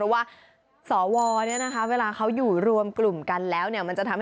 ว่าสวเนี่ยนะคะเวลาเขาอยู่รวมกลุ่มกันแล้วเนี่ยมันจะทำให้